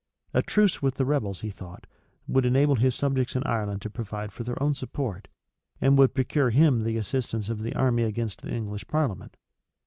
A truce with the rebels, he thought, would enable his subjects in Ireland to provide for their own support, and would procure him the assistance of the army against the English parliament.